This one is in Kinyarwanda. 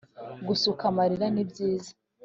gusuka amarira ni byiza